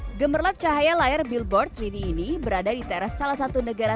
hai gemerlap cahaya layar billboard tiga d ini berada di teras salah satu negara